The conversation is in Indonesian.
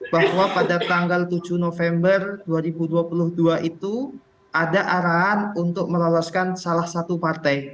bahwa pada tanggal tujuh november dua ribu dua puluh dua itu ada arahan untuk meloloskan salah satu partai